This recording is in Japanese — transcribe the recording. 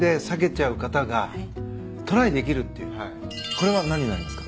これは何になりますか？